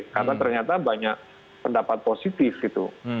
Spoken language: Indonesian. karena ternyata banyak pendapat positif gitu